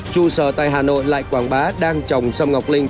trung sở tại hà nội lại quảng bá đang trồng xăm ngọc linh